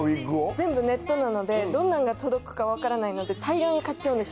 全部ネットなのでどんなんが届くか分からないので大量に買っちゃうんです。